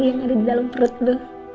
yang ada di dalam perut itu